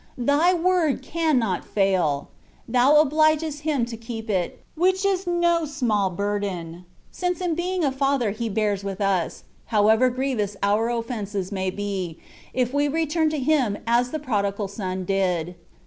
Thy word cannot fail : Thou obUgest Him to keep it, which is no small burden ; since in being a Father He bears with us, however grievous our oflfences may be, if we return to Him as the prodigal son did.